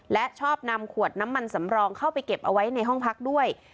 และชอบนำขวดน้ำมันสำรองเข้าไปเก็บเอาไว้ในห้องพักด้วย